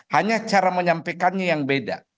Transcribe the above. hanya cara menyampaikannya yang beda